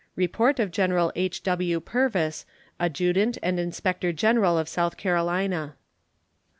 Report of General H.W. Purvis, adjutant and inspector general of South Carolina.